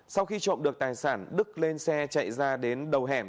sau khi trộm được tài sản đức lên xe chạy ra đến đầu hẻm